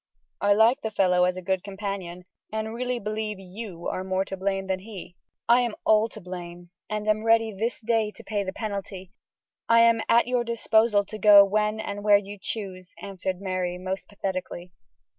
I like the fellow as a good companion, and really believe you are more to blame than he." "I am all to blame, and am ready this day to pay the penalty. I am at your disposal to go when and where you choose," answered Mary, most pathetically.